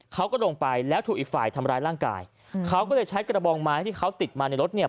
เขาก็ลงไปแล้วถูกอีกฝ่ายทำร้ายร่างกายเขาก็เลยใช้กระบองไม้ที่เขาติดมาในรถเนี่ย